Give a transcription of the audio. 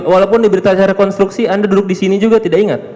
walaupun diberitahu saya rekonstruksi anda duduk di sini juga tidak ingat